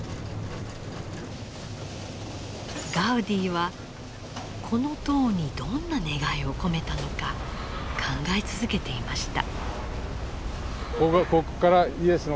ガウディはこの塔にどんな願いを込めたのか考え続けていました。